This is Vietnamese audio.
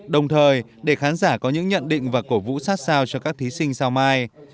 đồng thời để khán giả có những nhận định và cổ vũ sát sao cho các thí sinh sao mai